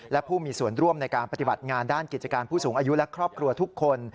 และผู้มีส่วนร่วมในการปฏิบัติงานด้านกิจการผู้สูงอายุและครอบครัวทุกคน